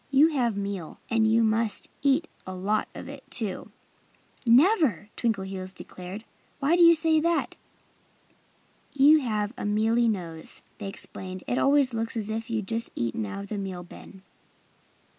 "You have meal. And you must eat a lot of it, too." "Never!" Twinkleheels declared. "Why do you say that?" "You have a mealy nose," they explained. "It always looks as if you'd just eaten out of the meal bin."